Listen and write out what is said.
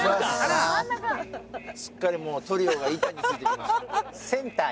すっかりもうトリオが板についてきました。